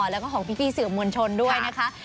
แล้วก็ของพี่สื่อมวลชนด้วยนะคะ